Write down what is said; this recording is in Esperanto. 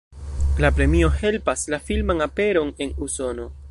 La premio helpas la filman aperon en Usono.